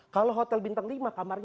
kalau hotel bintang lima kamarnya